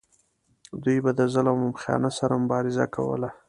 دوی به د ظلم او خیانت سره مبارزه کوله.